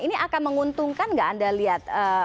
ini akan menguntungkan nggak anda lihat